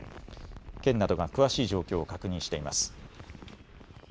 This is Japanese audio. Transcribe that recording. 県などが詳しい状況を確認しています。